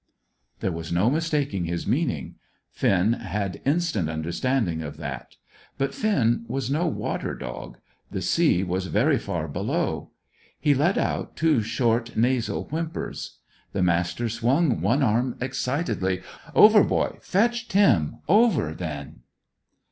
There was no mistaking his meaning. Finn had instant understanding of that. But Finn was no water dog. The sea was very far below. He let out two short nasal whimpers. The Master swung one arm excitedly. "Over, boy! Fetch Tim! Over, then!"